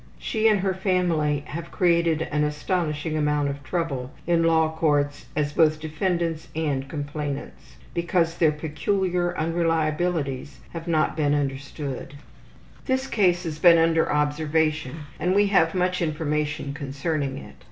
She and her family have created an astonishing amount of trouble in law courts as both defendants and complainants, because their peculiar unreliabilities have not been understood. This case has long been under observation and we have much information concerning it.